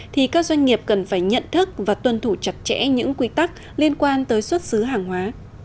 thì các doanh nghiệp cần phải nhận thức và tuân thủ chặt chẽ những quy tắc liên quan tới xuất xứ hàng hóa